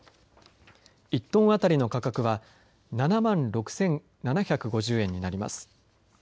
１トン当たりの価格は７万６７５０円になります。